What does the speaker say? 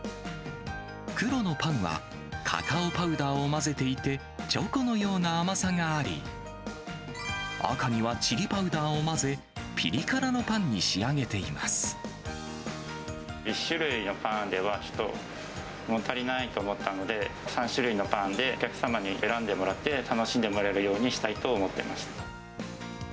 黒のパンはカカオパウダーを混ぜていて、チョコのような甘さがあり、赤にはチリパウダーを混ぜ、１種類のパンではちょっと物足りないと思ったので、３種類のパンでお客様に選んでもらって、楽しんでもらえるようにしたいと思っていました。